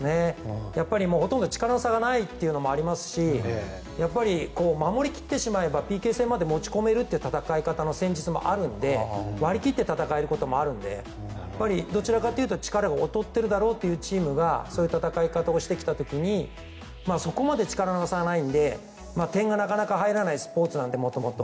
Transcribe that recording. やっぱりほとんど力の差がないというのもありますし守り切ってしまえばＰＫ戦まで持ち込めるという戦術もあるので割り切って戦えることもあるのでどちらかというと力が劣っているだろうというチームがそういう戦い方をしてきた時にそこまで力の差がないので点がなかなか入らないスポーツなので、元々。